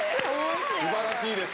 素晴らしいです。